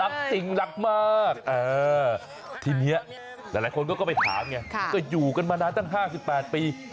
จริงรักมากทีนี้หลายคนก็ไปถามไงก็อยู่กันมานานตั้ง๕๘ปี